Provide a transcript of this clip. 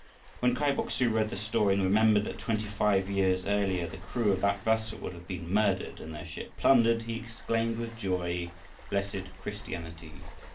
When Kai Bok su read the story and remembered that, twenty five years earlier, the crew of that vessel would have been murdered and their ship plundered, he exclaimed with joy, "Blessed Christianity!